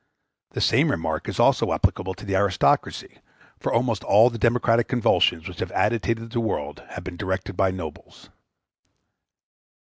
The same remark is also applicable to the aristocracy; for almost all the democratic convulsions which have agitated the world have been directed by nobles.